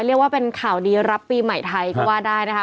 เรียกว่าเป็นข่าวดีรับปีใหม่ไทยก็ว่าได้นะคะ